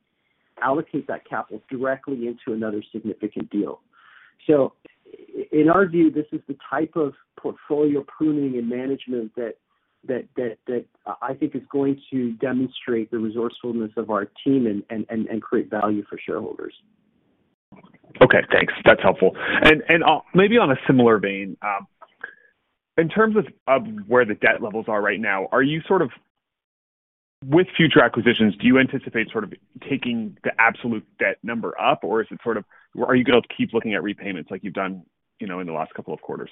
allocate that capital directly into another significant deal. In our view, this is the type of portfolio pruning and management that I think is going to demonstrate the resourcefulness of our team and create value for shareholders. Okay, thanks. That's helpful. Maybe on a similar vein, in terms of of where the debt levels are right now, are you sort of with future acquisitions, do you anticipate sort of taking the absolute debt number up, or is it sort of you going to keep looking at repayments like you've done, you know, in the last couple of quarters?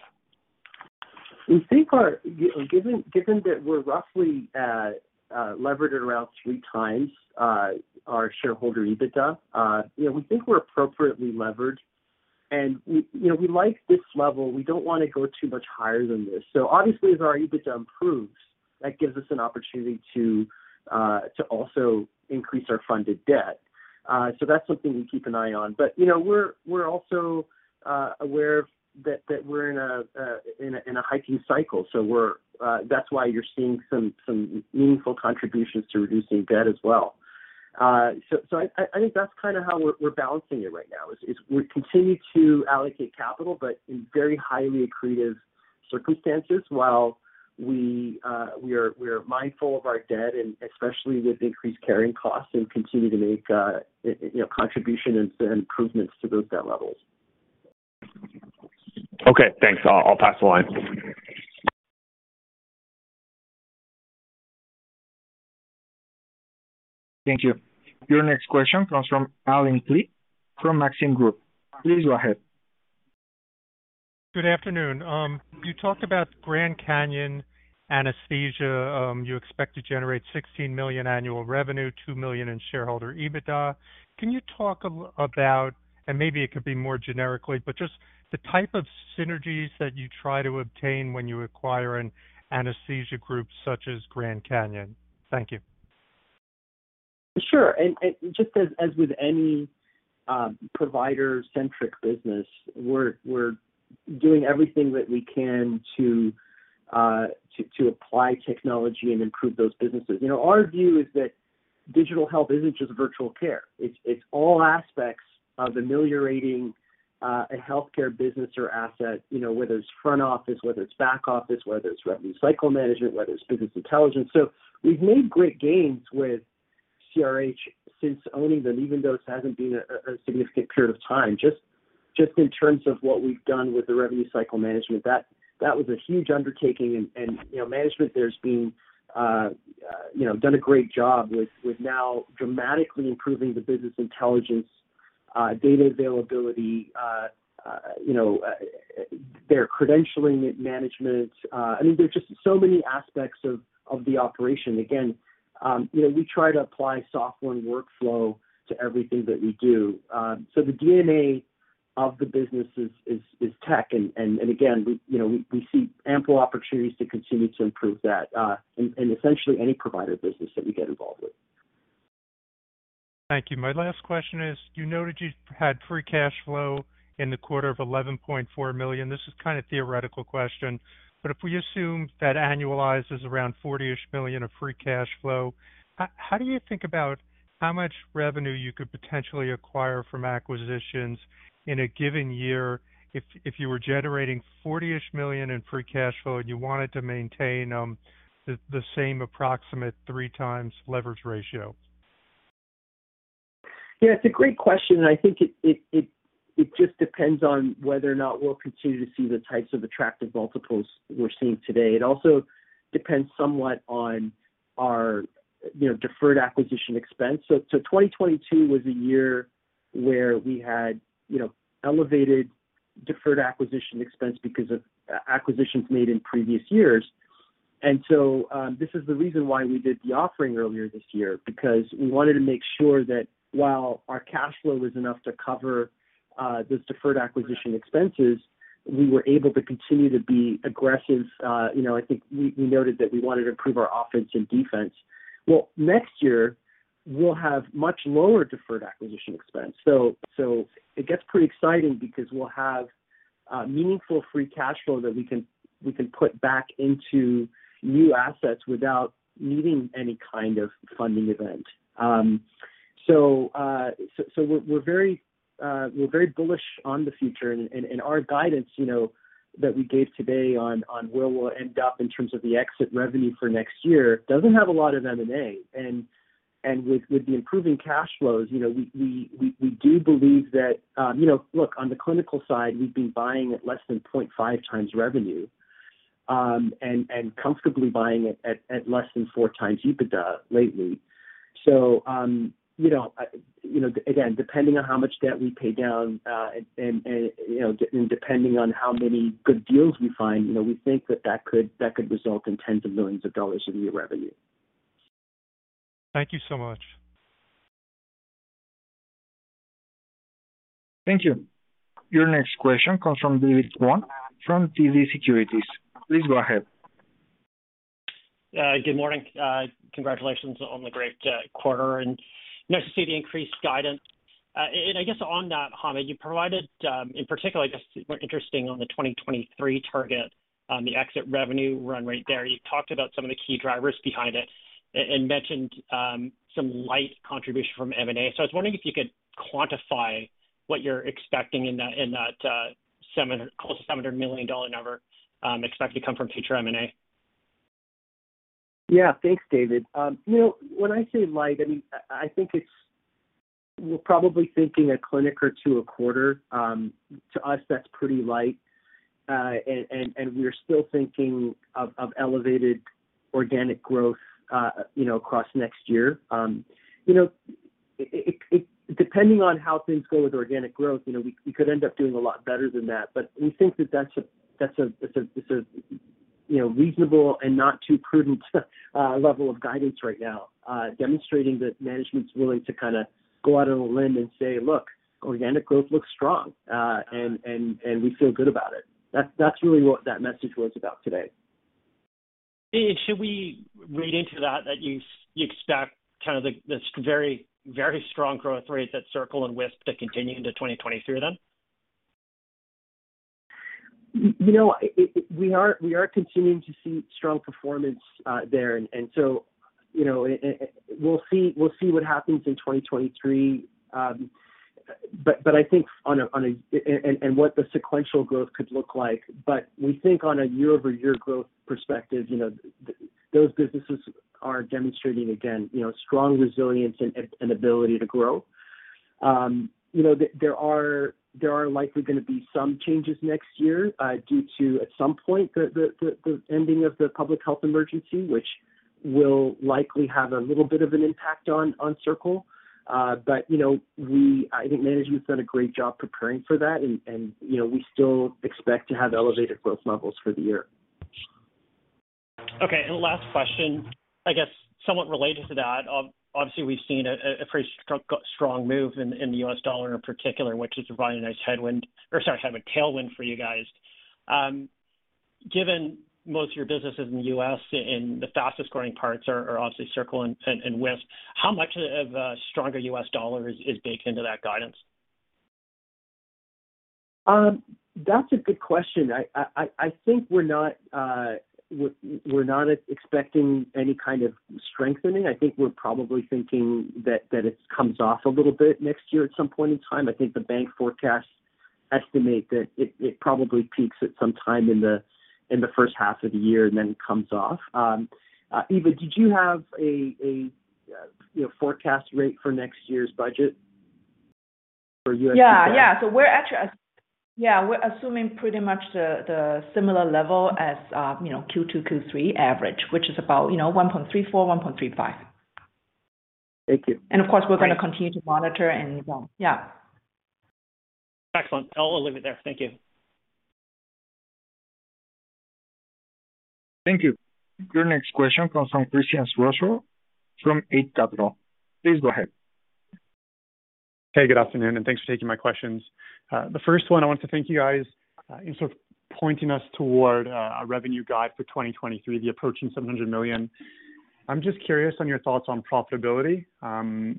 Given that we're roughly levered around 3x our shareholder EBITDA, you know, we think we're appropriately levered. We, you know, like this level. We don't want to go too much higher than this. Obviously as our EBITDA improves, that gives us an opportunity to also increase our funded debt. That's something we keep an eye on. You know, we're also aware that we're in a hiking cycle. That's why you're seeing some meaningful contributions to reducing debt as well. I think that's kind of how we're balancing it right now, is we continue to allocate capital, but in very highly accretive circumstances while we are mindful of our debt, and especially with increased carrying costs and continue to make, you know, contribution and improvements to those debt levels. Okay, thanks. I'll pass the line. Thank you. Your next question comes from Allen Klee from Maxim Group. Please go ahead. Good afternoon. You talked about Grand Canyon Anesthesia. You expect to generate 16 million annual revenue, 2 million in shareholder EBITDA. Can you talk about, and maybe it could be more generally, but just the type of synergies that you try to obtain when you acquire an anesthesia group such as Grand Canyon. Thank you. Sure. Just as with any provider-centric business, we're doing everything that we can to apply technology and improve those businesses. You know, our view is that digital health isn't just virtual care. It's all aspects of ameliorating a healthcare business or asset, you know, whether it's front office, whether it's back office, whether it's revenue cycle management, whether it's business intelligence. We've made great gains with CRH since owning them, even though this hasn't been a significant period of time, just in terms of what we've done with the revenue cycle management. That was a huge undertaking. You know, management there has been doing a great job with now dramatically improving the business intelligence data availability, you know, their credentialing management. I mean, there's just so many aspects of the operation. Again, you know, we try to apply software and workflow to everything that we do. The DNA of the business is tech. Again, you know, we see ample opportunities to continue to improve that, in essentially any provider business that we get involved with. Thank you. My last question is, you noted you had free cash flow in the quarter of 11.4 million. This is kind of theoretical question, but if we assume that annualize is around 40-ish million of free cash flow, how do you think about how much revenue you could potentially acquire from acquisitions in a given year if you were generating 40-ish million in free cash flow and you wanted to maintain the same approximate 3x leverage ratio? Yeah, it's a great question, and I think it just depends on whether or not we'll continue to see the types of attractive multiples we're seeing today. It also depends somewhat on our, you know, deferred acquisition expense. 2022 was a year where we had, you know, elevated deferred acquisition expense because of acquisitions made in previous years. This is the reason why we did the offering earlier this year, because we wanted to make sure that while our cash flow was enough to cover those deferred acquisition expenses, we were able to continue to be aggressive. You know, I think we noted that we wanted to improve our offense and defense. Well, next year, we'll have much lower deferred acquisition expense. It gets pretty exciting because we'll have meaningful free cash flow that we can put back into new assets without needing any kind of funding event. We're very bullish on the future and our guidance, you know, that we gave today on where we'll end up in terms of the exit revenue for next year doesn't have a lot of M&A. With the improving cash flows, you know, we do believe that. You know, look, on the clinical side, we've been buying at less than 0.5x revenue, and comfortably buying it at less than 4x EBITDA lately. You know, you know, again, depending on how much debt we pay down, and you know, depending on how many good deals we find, you know, we think that could result in tens of millions CAD in new revenue. Thank you so much. Thank you. Your next question comes from David Kwan from TD Securities. Please go ahead. Good morning. Congratulations on the great quarter, and nice to see the increased guidance. I guess on that, Hamed, you provided, in particular, I guess I'm interested in the 2023 target on the exit revenue run-rate there. You talked about some of the key drivers behind it and mentioned some slight contribution from M&A. I was wondering if you could quantify what you're expecting in that close to 700 million dollar number expected to come from future M&A. Yeah. Thanks, David. You know, when I say light, I mean, I think it's. We're probably thinking a clinic or two a quarter. To us, that's pretty light. We are still thinking of elevated organic growth, you know, across next year. You know, it depending on how things go with organic growth, you know, we could end up doing a lot better than that, but we think that's a reasonable and not too prudent level of guidance right now, demonstrating that management's willing to kinda go out on a limb and say, "Look, organic growth looks strong, and we feel good about it." That's really what that message was about today. Should we read into that you expect kind of like this very, very strong growth rates at Circle Medical and Wisp to continue into 2023, then? You know, we are continuing to see strong performance there. You know, we'll see what happens in 2023. I think on a and what the sequential growth could look like. We think on a year-over-year growth perspective, you know, those businesses are demonstrating, again, you know, strong resilience and ability to grow. You know, there are likely gonna be some changes next year due to, at some point, the ending of the public health emergency, which will likely have a little bit of an impact on Circle. You know, I think management's done a great job preparing for that and, you know, we still expect to have elevated growth levels for the year. Okay. Last question, I guess somewhat related to that. Obviously, we've seen a pretty strong move in the US dollar in particular, which is providing a nice tailwind for you guys. Given most of your businesses in the US and the fastest-growing parts are obviously Circle and Wisp, how much of a stronger US dollar is baked into that guidance? That's a good question. I think we're not expecting any kind of strengthening. I think we're probably thinking that it comes off a little bit next year at some point in time. I think the bank forecasts estimate that it probably peaks at some time in the first half of the year and then comes off. Eva, did you have a you know, forecast rate for next year's budget for USD? We're assuming pretty much the similar level as you know Q2 Q3 average which is about you know 1.34-1.35. Thank you. Of course, we're gonna continue to monitor and yeah. Excellent. I'll leave it there. Thank you. Thank you. Your next question comes from Christian Sgro from Eight Capital. Please go ahead. Hey, good afternoon, and thanks for taking my questions. The first one, I want to thank you guys in sort of pointing us toward a revenue guide for 2023, the approaching 700 million. I'm just curious on your thoughts on profitability. You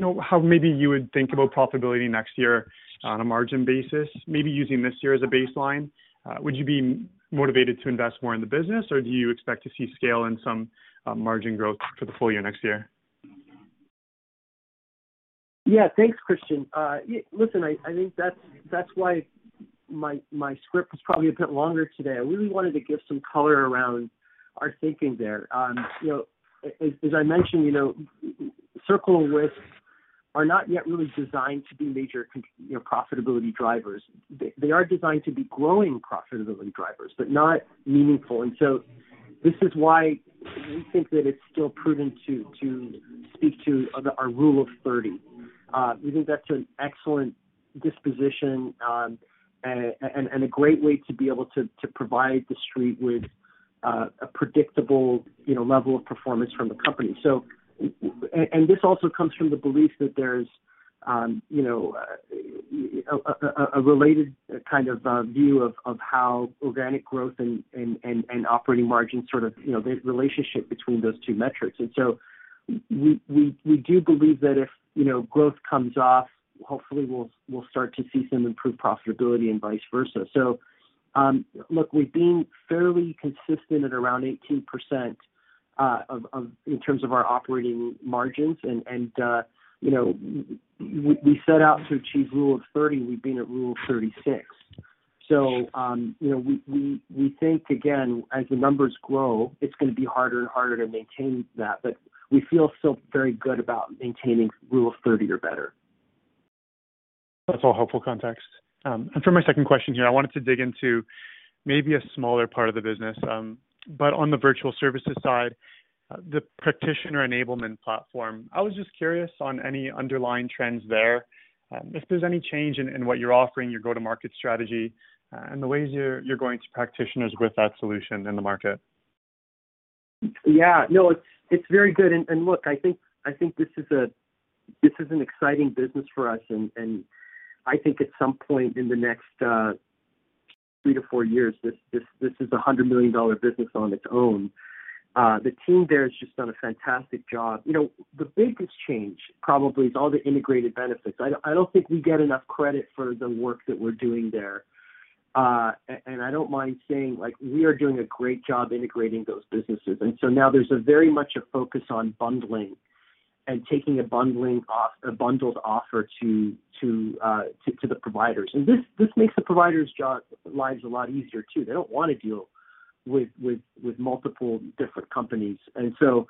know, how maybe you would think about profitability next year on a margin basis, maybe using this year as a baseline. Would you be motivated to invest more in the business, or do you expect to see scale and some margin growth for the full year next year? Yeah. Thanks, Christian. I think that's why my script was probably a bit longer today. I really wanted to give some color around our thinking there. You know, as I mentioned, you know, Circle and Wisp are not yet really designed to be major profitability drivers. They are designed to be growing profitability drivers, but not meaningful. This is why we think that it's still prudent to speak to our rule of 30. We think that's an excellent disposition and a great way to be able to provide the street with a predictable, you know, level of performance from the company. This also comes from the belief that there's, you know, a related kind of view of how organic growth and operating margin sort of, you know, the relationship between those two metrics. We do believe that if, you know, growth comes off, hopefully we'll start to see some improved profitability and vice versa. Look, we've been fairly consistent at around 18% in terms of our operating margins. You know, we set out to achieve rule of 30, we've been at rule of 36. You know, we think, again, as the numbers grow, it's gonna be harder and harder to maintain that, but we feel still very good about maintaining rule of 30 or better. That's all helpful context. For my second question here, I wanted to dig into maybe a smaller part of the business, but on the virtual services side, the Practitioner Enablement Platform. I was just curious on any underlying trends there, if there's any change in what you're offering, your go-to-market strategy, and the ways you're going to practitioners with that solution in the market. No, it's very good. Look, I think this is an exciting business for us. I think at some point in the next 3-4 years, this is a 100 million dollar business on its own. The team there has just done a fantastic job. You know, the biggest change probably is all the integrated benefits. I don't think we get enough credit for the work that we're doing there. I don't mind saying, like, we are doing a great job integrating those businesses. Now there's very much a focus on bundling and a bundled offer to the providers. This makes the providers' jobs a lot easier too. They don't wanna deal with multiple different companies. You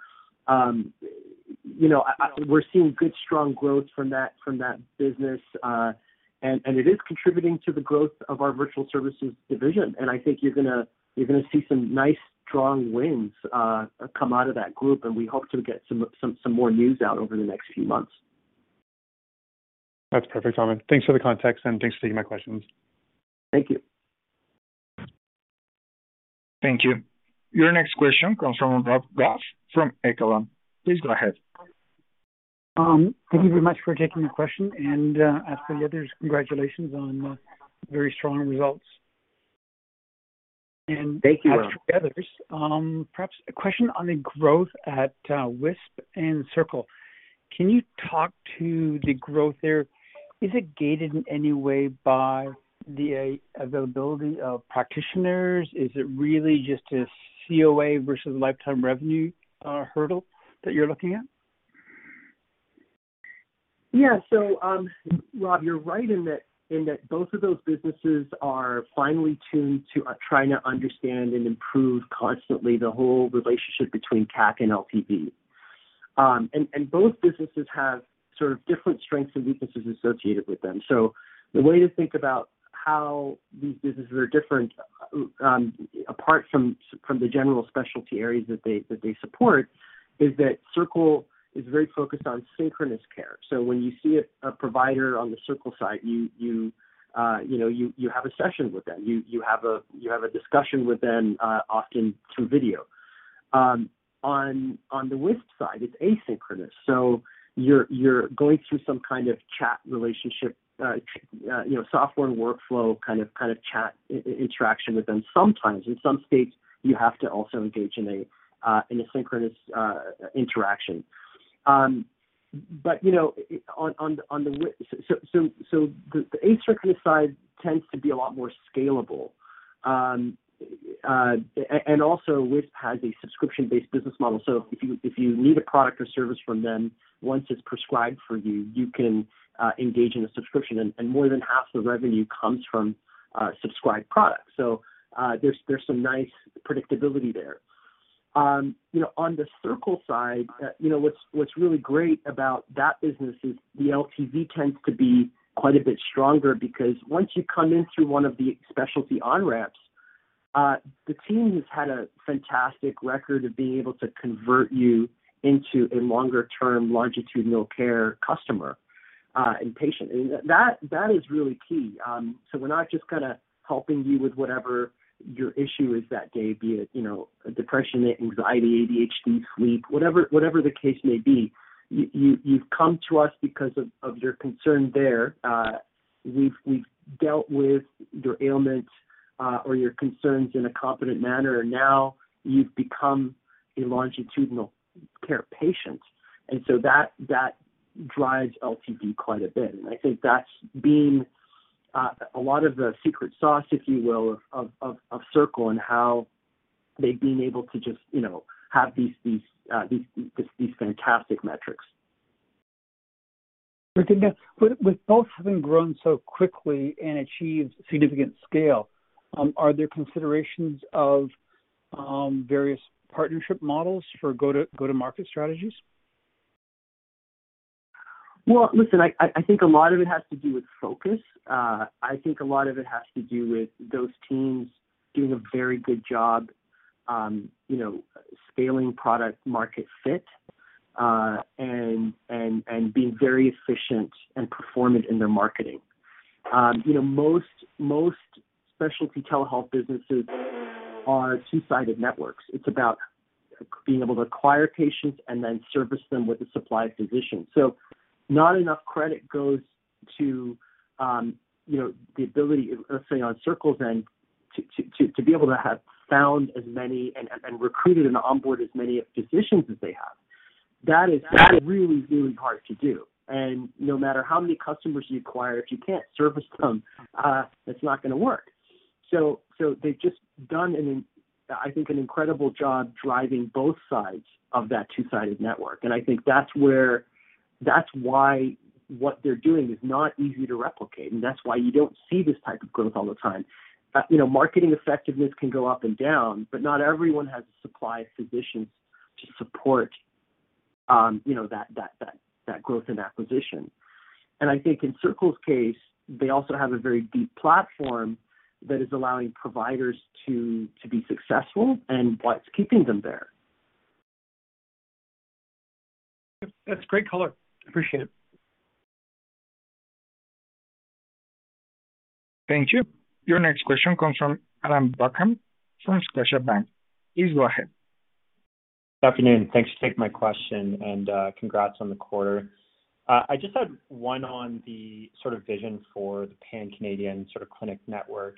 know, we're seeing good, strong growth from that business. It is contributing to the growth of our virtual services division. I think you're gonna see some nice, strong wins come out of that group, and we hope to get some more news out over the next few months. That's perfect, Hamed. Thanks for the context, and thanks for taking my questions. Thank you. Thank you. Your next question comes from Rob Goff from Echelon. Please go ahead. Thank you very much for taking the question. As for the others, congratulations on very strong results. Thank you, Rob. As for the others, perhaps a question on the growth at Wisp and Circle Medical. Can you talk to the growth there? Is it gated in any way by the availability of practitioners? Is it really just a CAC versus lifetime revenue hurdle that you're looking at? Yeah. Rob, you're right in that both of those businesses are finely tuned to trying to understand and improve constantly the whole relationship between CAC and LTV. Both businesses have sort of different strengths and weaknesses associated with them. The way to think about how these businesses are different, apart from the general specialty areas that they support, is that Circle is very focused on synchronous care. When you see a provider on the Circle side, you know, you have a session with them. You have a discussion with them, often through video. On the Wisp side, it's asynchronous. You're going through some kind of chat relationship, you know, software and workflow kind of chat interaction with them sometimes. In some states, you have to also engage in a synchronous interaction. You know, the asynchronous side tends to be a lot more scalable. Also, Wisp has a subscription-based business model, so if you need a product or service from them, once it's prescribed for you can engage in a subscription. More than half the revenue comes from subscribed products. There's some nice predictability there. You know, on the Circle side, you know, what's really great about that business is the LTV tends to be quite a bit stronger because once you come in through one of the specialty on-ramps, the team has had a fantastic record of being able to convert you into a longer-term longitudinal care customer and patient. That is really key. We're not just kinda helping you with whatever your issue is that day, be it, you know, a depression, anxiety, ADHD, sleep, whatever the case may be. You've come to us because of your concern there. We've dealt with your ailment or your concerns in a competent manner, and now you've become a longitudinal care patient. That drives LTV quite a bit. I think that's been a lot of the secret sauce, if you will, of Circle and how they've been able to just, you know, have these fantastic metrics. With both having grown so quickly and achieved significant scale, are there considerations of various partnership models for go-to-market strategies? Well, listen, I think a lot of it has to do with focus. I think a lot of it has to do with those teams doing a very good job, you know, scaling product market fit, and being very efficient and performant in their marketing. You know, most specialty telehealth businesses are two-sided networks. It's about being able to acquire patients and then service them with a supplied physician. So not enough credit goes to, you know, the ability, let's say, on Circle Medical's end, to be able to have found as many and recruited and onboard as many physicians as they have. That is really hard to do. No matter how many customers you acquire, if you can't service them, it's not gonna work. They've just done, I think, an incredible job driving both sides of that two-sided network. I think that's where that's why what they're doing is not easy to replicate, and that's why you don't see this type of growth all the time. You know, marketing effectiveness can go up and down, but not everyone has a supply of physicians to support, you know, that growth and acquisition. I think in Circle's case, they also have a very deep platform that is allowing providers to be successful and what's keeping them there. That's great color. Appreciate it. Thank you. Your next question comes from Adam Buckham from Scotiabank. Please go ahead. Good afternoon. Thanks for taking my question, and congrats on the quarter. I just had one on the sort of vision for the Pan-Canadian sort of clinic network.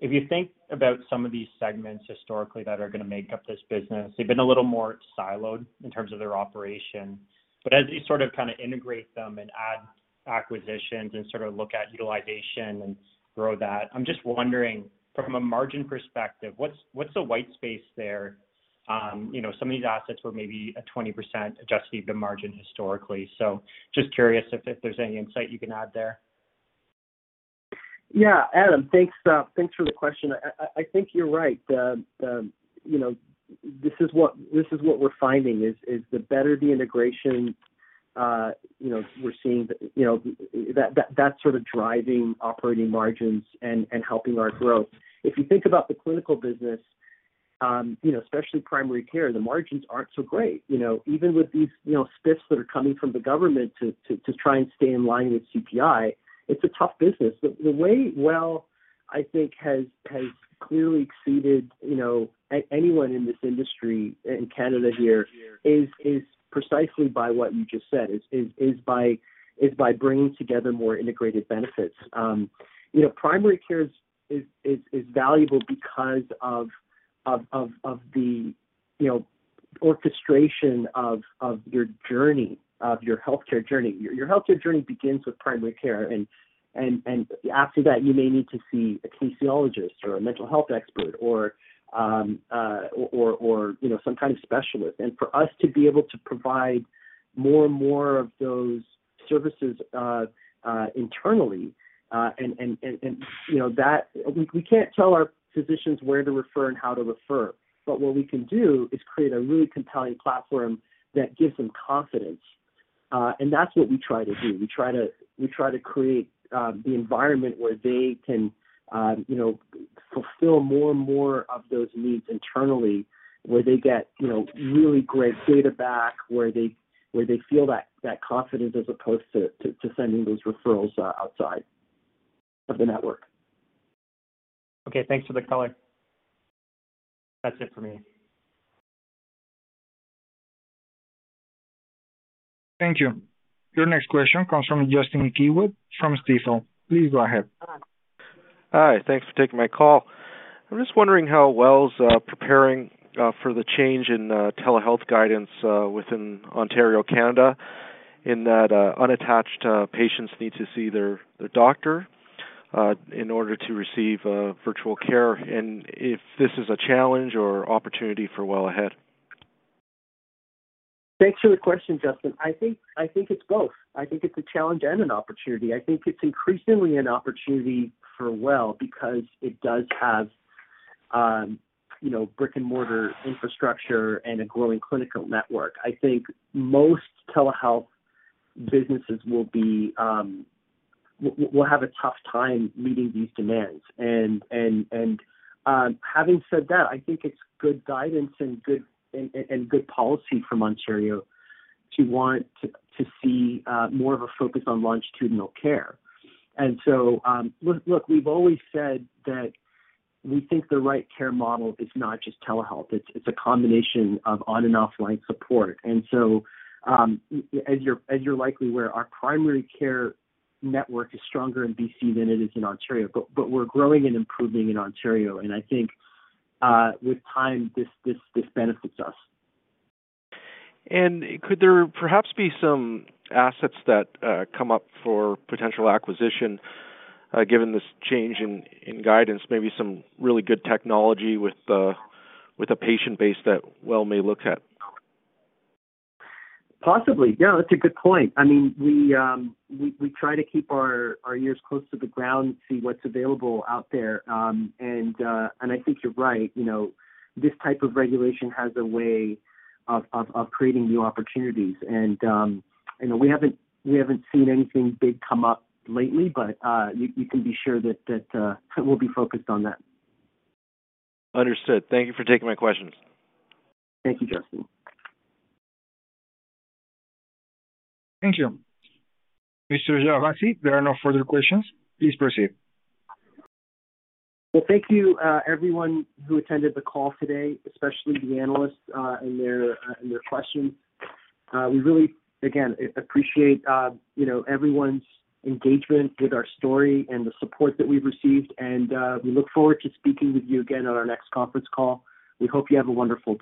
If you think about some of these segments historically that are gonna make up this business, they've been a little more siloed in terms of their operation. As you sort of kinda integrate them and add acquisitions and sort of look at utilization and grow that, I'm just wondering, from a margin perspective, what's the white space there? You know, some of these assets were maybe a 20% Adjusted EBITDA margin historically. Just curious if there's any insight you can add there. Yeah. Adam, thanks for the question. I think you're right. You know, this is what we're finding is the better the integration, you know, we're seeing, you know, that sort of driving operating margins and helping our growth. If you think about the clinical business, you know, especially primary care, the margins aren't so great, you know. Even with these, you know, spiffs that are coming from the government to try and stay in line with CPI, it's a tough business. The way WELL, I think has clearly exceeded, you know, anyone in this industry in Canada here is by bringing together more integrated benefits. You know, primary care is valuable because of the orchestration of your healthcare journey. Your healthcare journey begins with primary care and after that, you may need to see a kinesiologist or a mental health expert or you know, some kind of specialist. For us to be able to provide more and more of those services internally, and you know that. We can't tell our physicians where to refer and how to refer, but what we can do is create a really compelling platform that gives them confidence. That's what we try to do. We try to create the environment where they can, you know, fulfill more and more of those needs internally, where they get, you know, really great data back, where they feel that confidence as opposed to sending those referrals outside of the network. Okay. Thanks for the color. That's it for me. Thank you. Your next question comes from Justin Keywood from Stifel. Please go ahead. Hi. Thanks for taking my call. I'm just wondering how WELL's preparing for the change in telehealth guidance within Ontario, Canada, in that unattached patients need to see their doctor in order to receive virtual care, and if this is a challenge or opportunity for Well ahead. Thanks for the question, Justin. I think it's both. I think it's a challenge and an opportunity. I think it's increasingly an opportunity for WELL because it does have you know, brick-and-mortar infrastructure and a growing clinical network. I think most telehealth businesses will have a tough time meeting these demands. Having said that, I think it's good guidance and good policy from Ontario to want to see more of a focus on longitudinal care. Look, we've always said that we think the right care model is not just telehealth, it's a combination of on and offline support. As you're likely aware, our primary care network is stronger in BC than it is in Ontario, but we're growing and improving in Ontario. I think with time, this benefits us. Could there perhaps be some assets that come up for potential acquisition, given this change in guidance? Maybe some really good technology with a patient base that WELL may look at. Possibly. Yeah, that's a good point. I mean, we try to keep our ears close to the ground and see what's available out there. I think you're right. You know, this type of regulation has a way of creating new opportunities. You know, we haven't seen anything big come up lately, but you can be sure that we'll be focused on that. Understood. Thank you for taking my questions. Thank you, Justin. Thank you. Mr. Shahbazi, there are no further questions. Please proceed. Well, thank you, everyone who attended the call today, especially the analysts, and their questions. We really, again, appreciate, you know, everyone's engagement with our story and the support that we've received, and we look forward to speaking with you again on our next conference call. We hope you have a wonderful day.